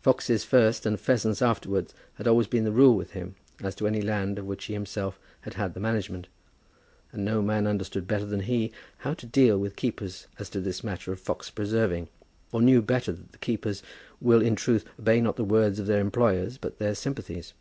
Foxes first, and pheasants afterwards, had always been the rule with him as to any land of which he himself had had the management. And no man understood better than he did how to deal with keepers as to this matter of fox preserving, or knew better that keepers will in truth obey not the words of their employers, but their sympathies.